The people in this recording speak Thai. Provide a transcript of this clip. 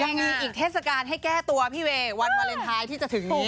ยังมีอีกเทศกาลให้แก้ตัวพี่เวย์วันวาเลนไทยที่จะถึงนี้